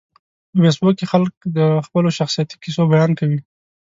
په فېسبوک کې خلک د خپلو شخصیتي کیسو بیان کوي